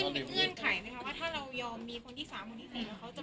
เขามีเงื่อนไขไหมคะว่าถ้าเรายอมมีคนที่สามคนที่สี่